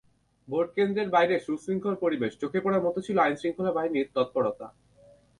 ভোটকেন্দ্রের বাইরে সুশৃঙ্খল পরিবেশ, চোখে পড়ার মতো ছিল আইনশৃঙ্খলা রক্ষাকারী বাহিনীর তৎপরতা।